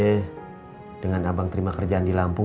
udah deh dengan abang terima kerjaan di lampung